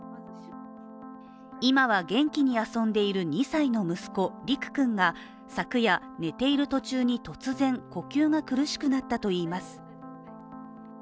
今は元気に遊んでいる２歳の息子、陸君が昨夜、寝ている途中に突然呼吸が苦しくなったといいます。